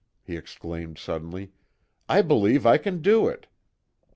he exclaimed, suddenly, "I believe I can do it!"